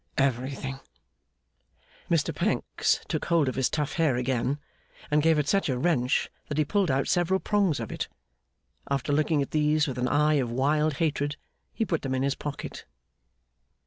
'Everything.' Mr Pancks took hold of his tough hair again, and gave it such a wrench that he pulled out several prongs of it. After looking at these with an eye of wild hatred, he put them in his pocket.